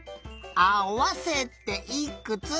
「あわせていくつ？